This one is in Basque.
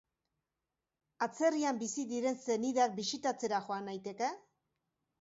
Atzerrian bizi diren senideak bisitatzera joan naiteke?